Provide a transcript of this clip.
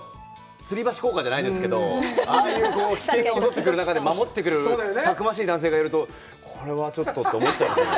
つり橋効果じゃないですけど、ああいう危険が襲ってくる中で、守ってくれる、たくましい男性がいると、これはちょっとって思っちゃいますね。